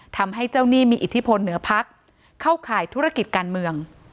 ทำให้เจ้าหนี้มีอิทธิพลเหนือพักเข้าข่ายธุรกิจการเมือง